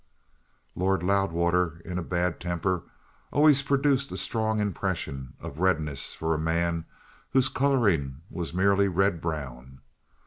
Lord Loudwater in a bad temper always produced a strong impression of redness for a man whose colouring was merely red brown.